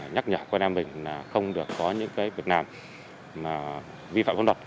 nhắc nhở quân em mình không được có những việc làm vi phạm phóng đọc